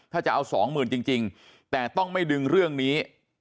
ถ้าจะเอาสองหมื่นจริงแต่ต้องไม่ดึงเรื่องนี้